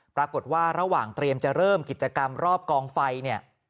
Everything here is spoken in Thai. ปรากฏว่าระหว่างเตรียมจะเริ่มกิจกรรมรอบกองไฟเนี่ย